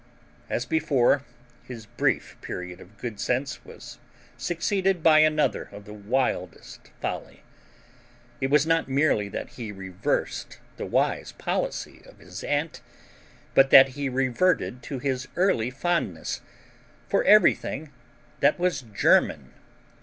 As before, his brief period of good sense was succeeded by another of the wildest folly. It was not merely that he reversed the wise policy of his aunt, but that he reverted to his early fondness for everything that was German.